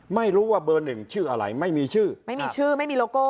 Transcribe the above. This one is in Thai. ไม่รู้ว่าเบอร์หนึ่งชื่ออะไรไม่มีชื่อไม่มีชื่อไม่มีโลโก้